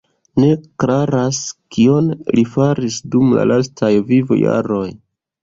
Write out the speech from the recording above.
Ne klaras kion li faris dum la lastaj vivojaroj.